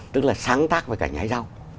tức là sáng tác về cảnh hái rau